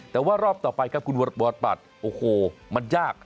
แต่ว่ารอบต่อไปครับคุณวรปัตรโอ้โหมันยาก